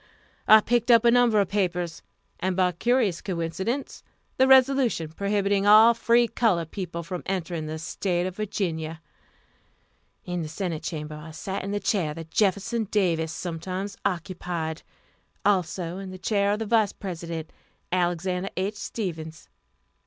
I picked up a number of papers, and, by curious coincidence, the resolution prohibiting all free colored people from entering the State of Virginia. In the Senate chamber I sat in the chair that Jefferson Davis sometimes occupied; also in the chair of the Vice President, Alexander H. Stephens.